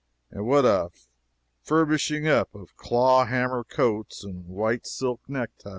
and what a furbishing up of claw hammer coats and white silk neck ties!